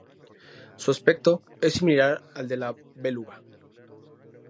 Su aspecto es similar al de la beluga.